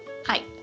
はい。